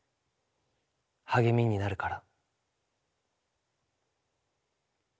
励みになるから」。